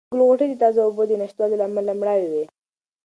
د ګل غوټۍ د تازه اوبو د نشتوالي له امله مړاوې وې.